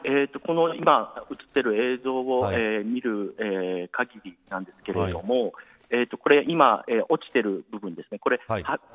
この、今映っている映像を見る限りなんですけれども今、落ちている部分ですね